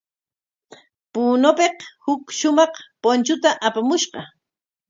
Punopik huk shumaq punchuta apamushqa.